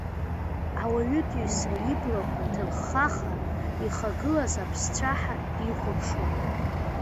Ауаҩытәыҩса иблақәа ҭырхаха ихагылаз аԥсцәаҳа дихәаԥшуан.